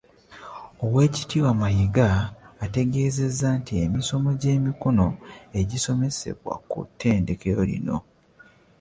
Oweekitiibwa Mayiga ategeezezza nti emisomo gy'emikono egisomesebwa ku ttendekero lino